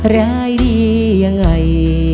ร้ายดียังไง